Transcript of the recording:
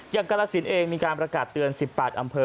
อย่างกล้านสินเยคมีการประกันเสียร์๑๘อำเภอ